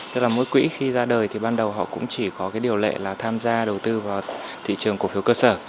tức là mỗi quỹ khi ra đời thì ban đầu họ cũng chỉ có cái điều lệ là tham gia đầu tư vào thị trường cổ phiếu cơ sở